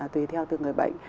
tùy theo từ người bệnh